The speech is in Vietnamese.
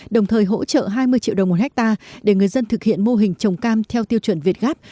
đồng thời hỗ trợ hai mươi triệu đồng một hectare để người dân thực hiện mô hình trồng cam theo tiêu chuẩn việt gáp